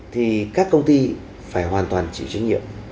thì các công ty phải hoàn toàn chịu trách nhiệm